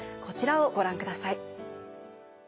こちらをご覧ください。